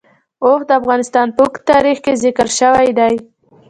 اوښ د افغانستان په اوږده تاریخ کې ذکر شوی دی.